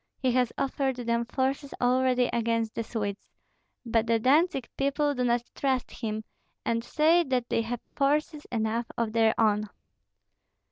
He has offered them forces already against the Swedes; but the Dantzig people do not trust him, and say that they have forces enough of their own."